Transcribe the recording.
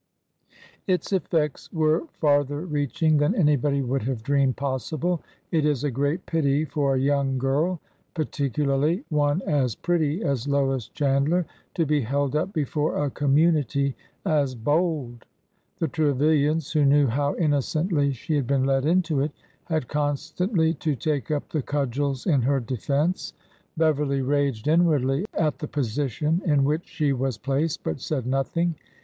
Its effects were farther reaching than anybody would have dreamed possible. It is a great pity for a young girl— particularly one as pretty as Lois Chandler— to be held up before a community as bold. The Trevilians, who knew how innocently she had been led into it, had constantly to take up the cudgels in her defense. Bev erly raged inwardly at the position in which she was placed, but said nothing.